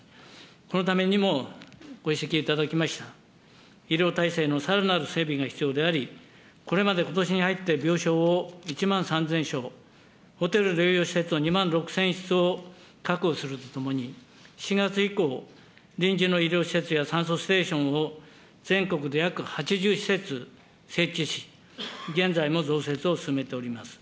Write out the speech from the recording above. このためにも、ご指摘いただきました医療体制のさらなる整備が必要であり、これまでことしに入って病床を１万３０００床、ホテル療養施設を２万６０００室を確保するとともに、７月以降臨時の医療施設や、酸素ステーションを全国で約８０施設設置し、現在も増設を進めております。